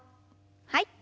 はい。